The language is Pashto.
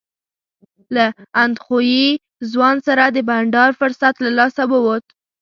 له اندخویي ځوان سره د بنډار فرصت له لاسه ووت.